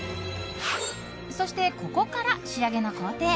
そして、ここから仕上げの工程。